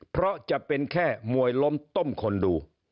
เพราะจะเป็นแค่มวยล้มต้มคนดู